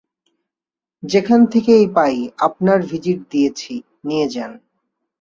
যেখান থেকেই পাই, আপনার ভিজিট দিয়েছি, নিয়ে যান।